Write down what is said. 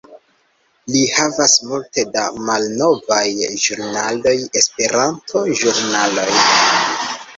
Li havas multe da malnovaj ĵurnaloj, Esperanto-ĵurnaloj